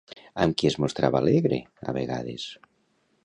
Amb qui es mostrava alegre, a vegades?